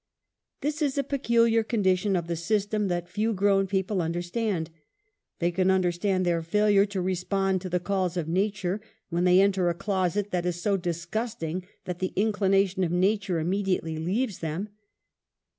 This is a peculiar condition of the system that few grown people understand. They can under* stand their failure to respond to the calls of nature, when they enter a closet that is so disgusting that the inclination of nature immediately leaves them.